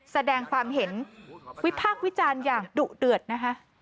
แสดงความเห็นวิพากษ์วิจารณ์อย่างดุเดือดนะคะ